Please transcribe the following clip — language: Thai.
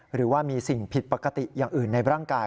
หรือว่ามีสิ่งผิดปกติอย่างอื่นในร่างกาย